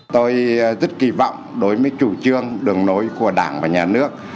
tôi rất kỳ vọng đối với chủ trương đường nối của đảng và nhà nước